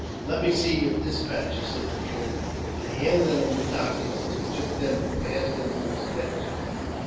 "Let me see your despatches," said the colonel. I handed him the documents ; he took them, and passed into his tent.